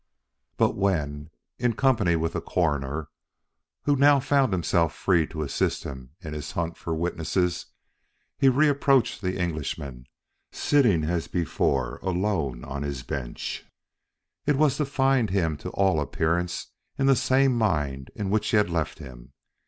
But when, in company with the Coroner, who now found himself free to assist him in his hunt for witnesses, he reapproached the Englishman sitting as before alone on his bench, it was to find him to all appearance in the same mind in which he had left him.